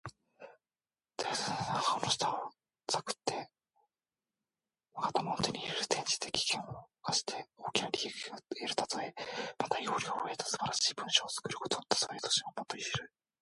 驪竜の顎の下を探って珠玉を手に入れる。転じて、危険を冒して大きな利益を得るたとえ。また、要領を得た素晴らしい文章を作ることのたとえとしても用いる。